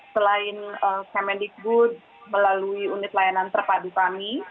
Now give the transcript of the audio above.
selain kemendikbud melalui unit layanan terpadu kami